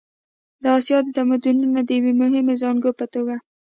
د اسیا د تمدنونو د یوې مهمې زانګو په توګه.